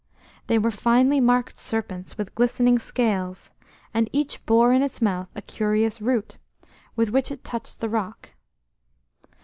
They were finely marked serpents with glistening scales, and each bore in its mouth a curious root, with which it touched the rock.